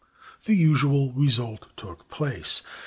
The usual result took place.